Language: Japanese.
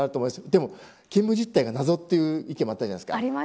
でも勤務実態が謎という意見もあったじゃないですか。